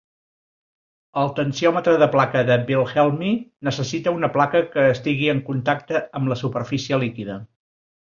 El tensiòmetre de placa de Wilhelmy necessita una placa que estigui en contacte amb la superfície líquida.